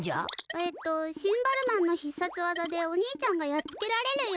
えっとシンバルマンのひっさつわざでお兄ちゃんがやっつけられる夢。